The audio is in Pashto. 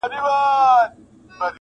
• کارګه وویل خبره دي منمه -